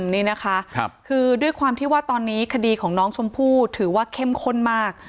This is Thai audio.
นี่นะคะคือด้วยความที่ว่าตอนนี้คดีของน้องชมพู่ถือว่าเข้มข้นมาก